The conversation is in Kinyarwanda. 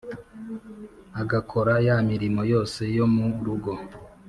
agakora ya mirimo yose yo mu rugo,